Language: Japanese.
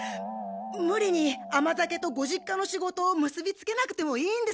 ムリに甘酒とご実家の仕事をむすびつけなくてもいいんです。